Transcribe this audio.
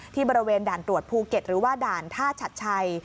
บริเวณด่านตรวจภูเก็ตหรือว่าด่านท่าชัดชัย